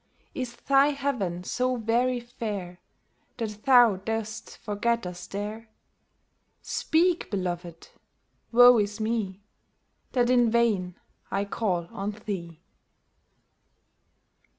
Is thy Heaven so very fair That thou dost forget us there ? Speak, beloved ! Woe is me That in vain I call on thee